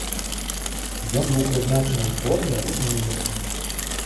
Ён быў прызначаны ў зборную ў жніўні.